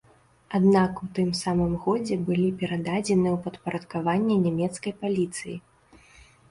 Аднак у тым самым годзе былі перададзены ў падпарадкаванне нямецкай паліцыі.